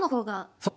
そう！